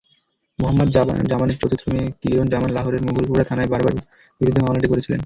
মোহাম্মদ জামানের চতুর্থ মেয়ে কিরণ জামান লাহোরের মুঘলপুরা থানায় বাবার বিরুদ্ধে মামলাটি করেছিলেন।